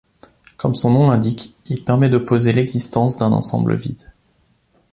Comme son nom l'indique, il permet de poser l'existence d'un ensemble vide.